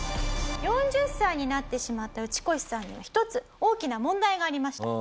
４０歳になってしまったウチコシさんに１つ大きな問題がありました。